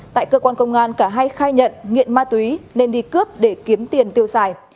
tại cơ quan công an cả hai khai nhận nghiện ma túy nên đi cướp để kiếm tiền tiêu xài